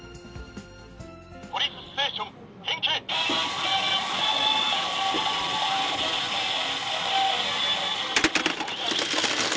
ポリスステーション！変形！